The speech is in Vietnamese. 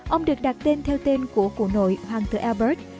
ông được đặt tên theo tên của cụ nội hoàng tử abred